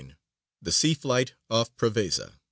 THE SEA FIGHT OFF PREVESA.